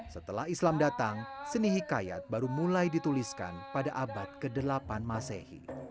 setelah islam datang seni hikayat baru mulai dituliskan pada abad ke delapan masehi